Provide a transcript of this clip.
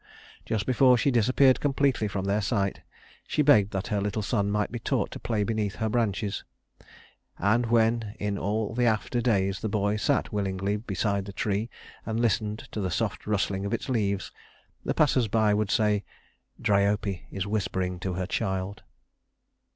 Just before she disappeared completely from their sight, she begged that her little son might be taught to play beneath her branches; and when, in all the after days, the boy sat willingly beside the tree and listened to the soft rustling of its leaves, the passers by would say: "Dryope is whispering to her child."